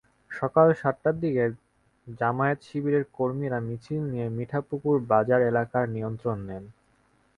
সকাল সাতটার দিকে জামায়াত-শিবিরের কর্মীরা মিছিল নিয়ে মিঠাপুকুর বাজার এলাকার নিয়ন্ত্রণ নেন।